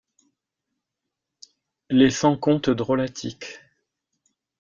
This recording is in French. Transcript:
Les Cent Contes drolatiques.